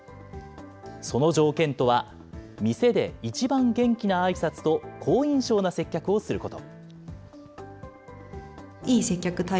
その条件とは、店で一番元気なあいさつと好印象な接客をすること。